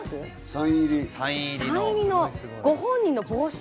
サイン入りのご本人の帽子。